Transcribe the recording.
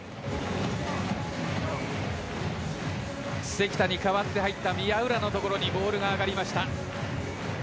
関田に代わって入った宮浦の所にボールが上がりました。